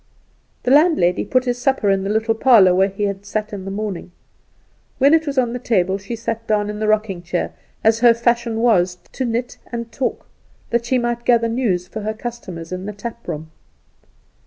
The landlady put his supper in the little parlour where he had sat in the morning. When it was on the table she sat down in the rocking chair, as her fashion was to knit and talk, that she might gather news for her customers in the taproom.